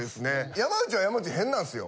山内は山内で変なんですよ。